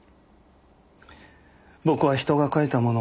僕は人が書いたものをああだ